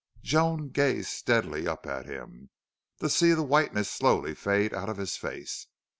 Joan gazed steadily up at him, to see the whiteness slowly fade out of his face.